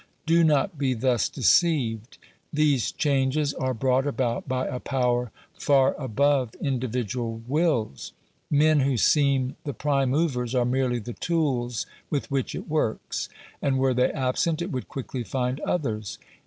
Do not be thus deceived. These changes are brought about by a power far above individual wills. Men who seem th e prim e movers, are merely the tools w ith jvhlcir it worksj^ andjyere they absent, it would quickly find^others.